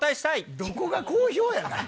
どこが好評やねん。